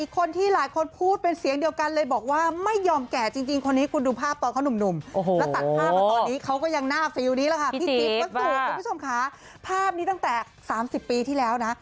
คือหล่อขึ้น